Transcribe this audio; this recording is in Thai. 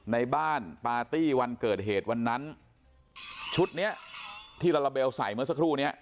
ในบ้านปาร์ตี้วันเกิดเหตุวันนั้นชุดเนี้ยที่ลาลาเบลใส่เมื่อสักครู่เนี้ย